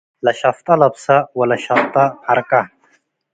. ለሸፍጠ ለብሰ ወለሸጠ ዐርቀ፣